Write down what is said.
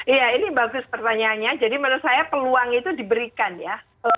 iya ini bagus pertanyaannya jadi menurut saya peluang itu diberikan ya